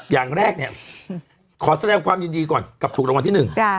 อย่างแรกเนี่ยขอแสดงความยินดีก่อนกับถูกรางวัลที่หนึ่ง